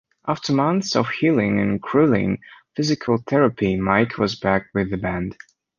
After months of healing and grueling physical therapy, Mike was back with the band.